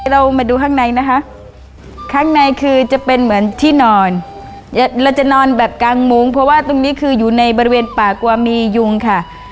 เรามาดูข้างในนะคะข้างในคือจะเป็นเหมือนที่นอนเราจะนอนแบบกลางมุ้งเพราะว่าตรงนี้คืออยู่ในบริเวณป่ากลัวมียุงค่ะ